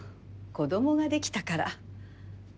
子供ができたから。